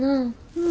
うん。